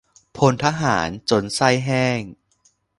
พลทหาร จน ใส้แห้ง